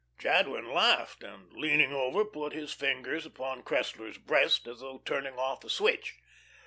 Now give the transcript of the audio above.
Jadwin laughed, and leaning over, put his fingers upon Cressler's breast, as though turning off a switch.